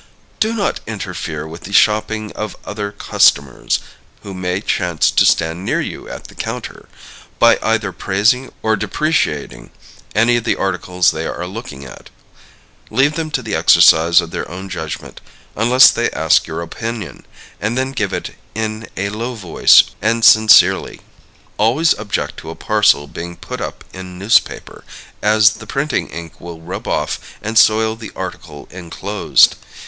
Do not interfere with the shopping of other customers (who may chance to stand near you at the counter), by either praising or depreciating any of the articles they are looking at. Leave them to the exercise of their own judgment, unless they ask your opinion; and then give it in a low voice and sincerely. Always object to a parcel being put up in newspaper, as the printing ink will rub off and soil the article enclosed.